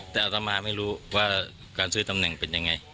แต่อัตมาไม่รู้ว่าการซื้อตำแหน่งเป็นยังไง